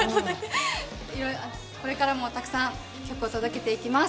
これからもたくさん曲を届けていきます。